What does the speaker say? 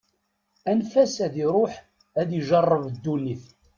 Anef-as ad iṛuḥ, ad ijeṛṛeb ddunit.